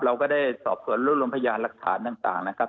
เราก็ได้สอบสวนรวบรวมพยานหลักฐานต่างนะครับ